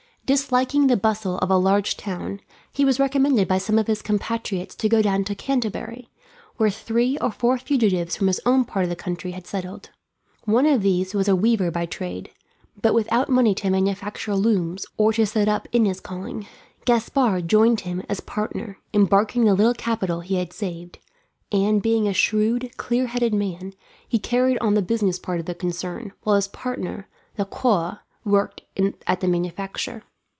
Disliking the bustle of a large town, he was recommended by some of his compatriots to go down to Canterbury, where three or four fugitives from his own part of the country had settled. One of these was a weaver by trade, but without money to manufacture looms or set up in his calling. Gaspard joined him as partner, embarking the little capital he had saved; and being a shrewd, clear headed man he carried on the business part of the concern, while his partner Lequoc worked at the manufacture.